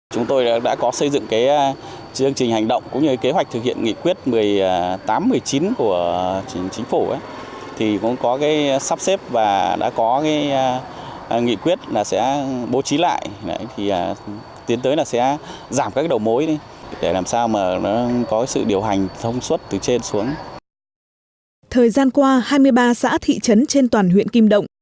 thời gian qua hai mươi ba xã thị trấn trên toàn huyện kim động